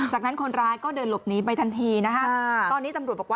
จากนั้นคนร้ายก็เดินหลบนี้ไปทันทีนะฮะ